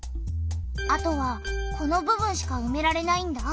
あとはこの部分しかうめられないんだ。